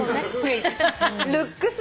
ルックス？